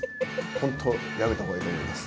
本当やめたほうがいいと思います。